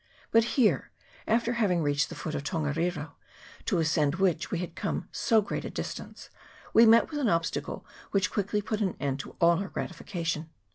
But here, after having reached the foot of Tongariro, to ascend which we had come so great a distance, we met with an obstacle which quickly put an end to all our gratification.